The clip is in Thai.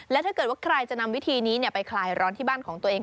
และถ้าเกิดว่าใครจะนำวิธีนี้ไปคลายร้อนที่บ้านของตัวเอง